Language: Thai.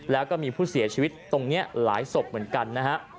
แล้วก็มีผู้เสียชีวิตตรงนี้หลายศพเหมือนกันนะฮะ